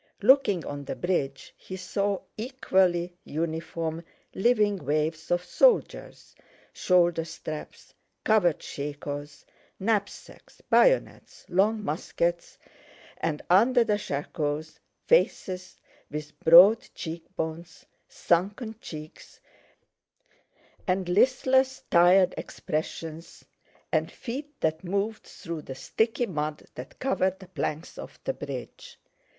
Looking on the bridge he saw equally uniform living waves of soldiers, shoulder straps, covered shakos, knapsacks, bayonets, long muskets, and, under the shakos, faces with broad cheekbones, sunken cheeks, and listless tired expressions, and feet that moved through the sticky mud that covered the planks of the bridge.